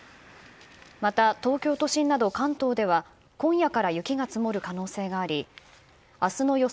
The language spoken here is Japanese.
また、東京都心など関東では今夜から雪が積もる可能性があり明日の予想